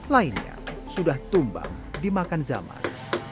lainnya sudah tumbang dimakan zaman